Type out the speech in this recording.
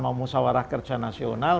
mau musawarah kerja nasional